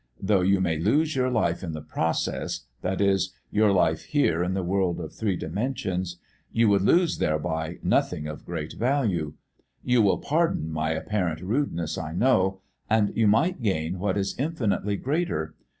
Though you may lose your life in the process that is, your life here in the world of three dimensions you would lose thereby nothing of great value you will pardon my apparent rudeness, I know and you might gain what is infinitely greater.